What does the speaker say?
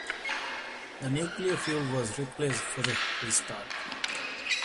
The nuclear fuel was replaced for the restart.